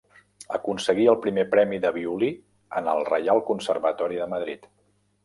Aconseguí el primer premi de violí en el Reial Conservatori de Madrid.